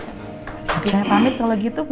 oke saya pamit kalau begitu bu